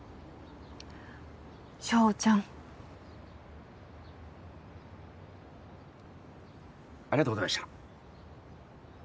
祥ちゃん。ありがとうございました。